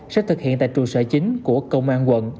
sẽ thực hiện tại trụ sở chính của công an quận